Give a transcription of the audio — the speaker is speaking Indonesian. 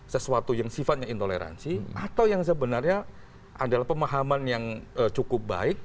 sesuatu yang sifatnya intoleransi atau yang sebenarnya adalah pemahaman yang cukup baik